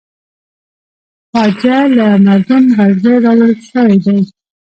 خواجه را مردم غلزی راوړل شوی دی.